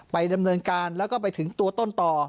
ดำเนินการแล้วก็ไปถึงตัวต้นต่อ